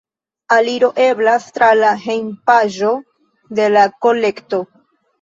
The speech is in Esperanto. Aliro eblas tra la hejmpaĝo de la kolekto.